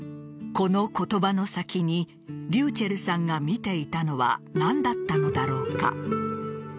この言葉の先にｒｙｕｃｈｅｌｌさんが見ていたのは何だったのだろうか。